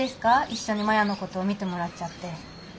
一緒に摩耶のこと見てもらっちゃって。